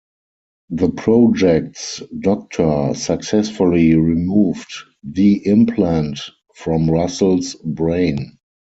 The project's doctor successfully removed the implant from Russell's brain.